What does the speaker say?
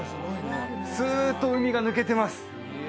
スーッと海が抜けてます